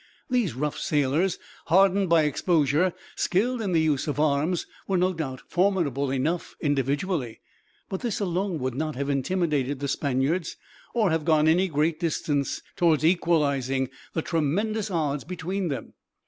These rough sailors, hardened by exposure, skilled in the use of arms, were no doubt formidable enough, individually; but this alone would not have intimidated the Spaniards, or have gone any great distance towards equalizing the tremendous odds between them.